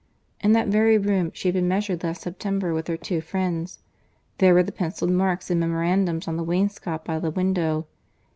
In that very room she had been measured last September, with her two friends. There were the pencilled marks and memorandums on the wainscot by the window.